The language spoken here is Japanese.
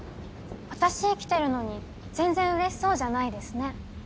私生きてるのに全然うれしそうじゃないですね。